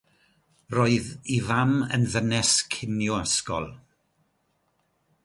Roedd ei fam yn ddynes cinio ysgol.